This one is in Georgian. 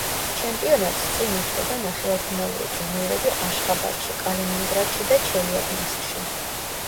ჩემპიონატს წინ უძღოდა ნახევარფინალური ტურნირები აშხაბადში, კალინინგრადში და ჩელიაბინსკში.